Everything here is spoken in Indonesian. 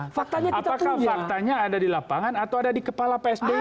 apakah faktanya ada di lapangan atau ada di kepala pak s b ini